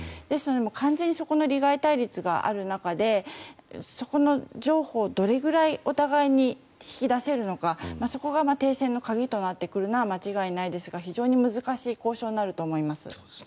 ですので、完全にその利害対立がある中でそこの譲歩をどれくらいお互いに引き出せるのかそこが停戦の鍵となってくるのは間違いないですが非常に難しい交渉になると思います。